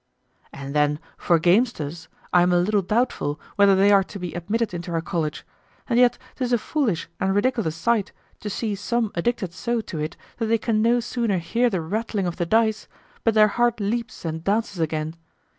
And then for gamesters, I am a little doubtful whether they are to be admitted into our college; and yet 'tis a foolish and ridiculous sight to see some addicted so to it that they can no sooner hear the rattling of the dice but their heart leaps and dances again.